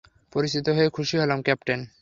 পরিচিত হয়ে খুশি হলাম, ক্যাপ্টেন।